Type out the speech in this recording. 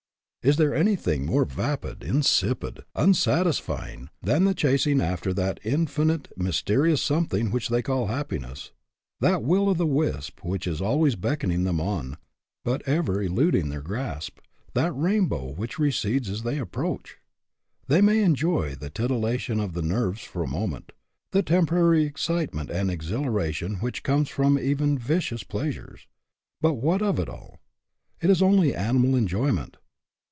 Is there anything more vapid, insipid, 152 HAPPY? IF NOT, WHY NOT? unsatisfying than the chasing after that indefi nite, mysterious something which they call happiness ; that will o' the wisp which is always beckoning them on, but ever eluding their grasp; that rainbow which recedes as they approach? They may enjoy the titilla tion of the nerves for a moment, the temporary excitement and exhilaration which come from even vicious pleasures. But what of it all ? It is only animal enjoyment.